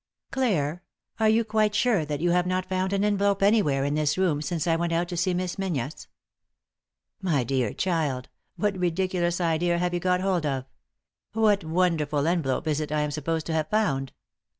" Clare, are you quite sure that you have not found an envelope anywhere in this room since I went out to see Miss Menzies?" "My dear child, what ridiculous idea have you got hold of? What wonderful envelope is it I am supposed to have found